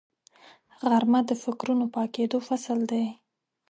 غرمه د فکرونو پاکېدو فصل دی